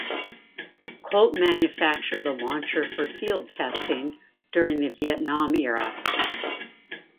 Colt manufactured the launcher for field testing during the Vietnam era.